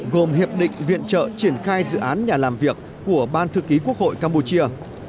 gồm hiệp định viện trợ triển khai dự án nhà làm việc của ban thư ký quốc hội campuchia